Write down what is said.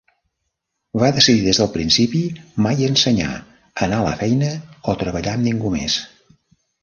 Va decidir des del principi mai ensenyar, anar a la feina o treballar amb ningú més.